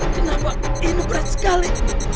kenapa ini berat sekali